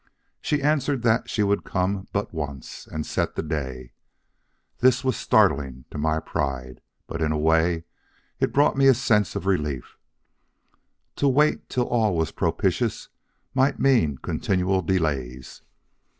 She answered that she would come but once, and set the day. This was startling to my pride, but in a way it brought me a sense of relief. To wait till all was propitious might mean continual delays.